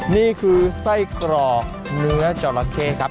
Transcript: นี่คือไส้กรอกเนื้อจราเข้ครับ